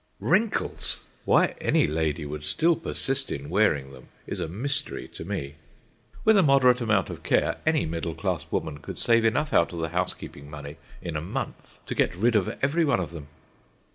Wrinkles! Why any lady should still persist in wearing them is a mystery to me. With a moderate amount of care any middle class woman could save enough out of the housekeeping money in a month to get rid of every one of them.